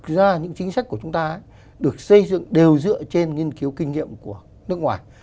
và những chính sách của chúng ta được xây dựng đều dựa trên nghiên cứu kinh nghiệm của nước ngoài